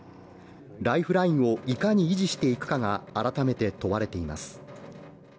ライフラインをいかに維持していくかが改めて問われています。